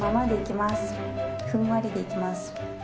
ふんわりでいきます。